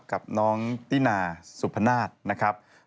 กับน้องตินาสุพนาศนะครับ